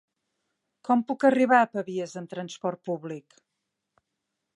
Com puc arribar a Pavies amb transport públic?